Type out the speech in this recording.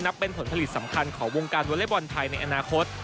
เป็นผลผลิตสำคัญของวงการวอเล็กบอลไทยในอนาคต